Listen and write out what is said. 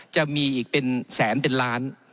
จะมีอีกเป็นแสนเป็นล้าน